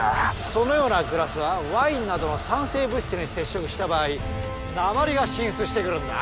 そのようなグラスはワインなどの酸性物質に接触した場合鉛が浸出してくるんだ。